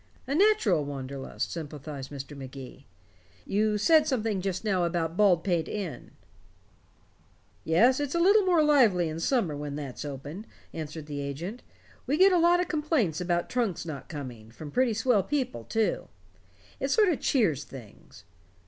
"A natural wanderlust," sympathized Mr. Magee. "You said something just now about Baldpate Inn " "Yes, it's a little more lively in summer, when that's open," answered the agent; "we get a lot of complaints about trunks not coming, from pretty swell people, too. It sort of cheers things."